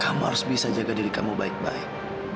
kamu harus bisa jaga diri kamu baik baik